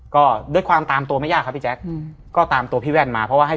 ก็ด้วยความตามตัวไม่ยากครับพี่แจ๊คก็ตามตัวพี่แว่นมาเพราะว่าให้